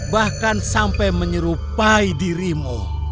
bahkan sampai menyerupai dirimu